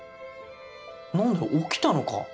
何だよ起きたのか？